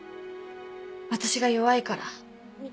「私が弱いから」